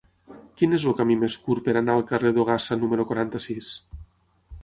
Quin és el camí més curt per anar al carrer d'Ogassa número quaranta-sis?